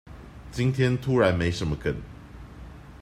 今天突然沒什麼梗